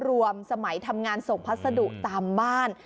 สมัยทำงานส่งพัสดุตามบ้าน